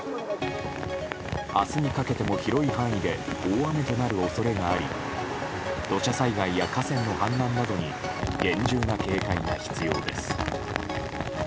明日にかけても広い範囲で大雨となる恐れがあり土砂災害や河川の氾濫などに厳重な警戒が必要です。